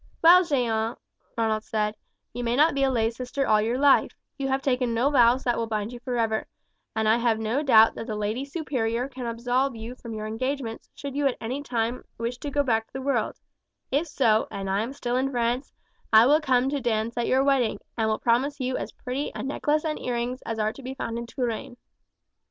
"Well, Jeanne," Ronald said, "you may not be a lay sister all your life; you have taken no vows that will bind you for ever, and I have no doubt that the lady superior can absolve you from your engagements should you at any time wish to go back to the world; if so, and if I am still in France, I will come to dance at your wedding, and will promise you as pretty a necklace and earrings as are to be found in Touraine."